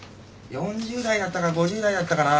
４０代だったか５０代だったかな。